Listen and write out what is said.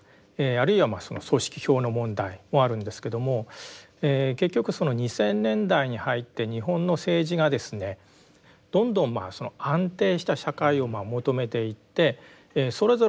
あるいは組織票の問題もあるんですけども結局２０００年代に入って日本の政治がですねどんどん安定した社会を求めていってそれぞれの政党が組織票を重視しますね。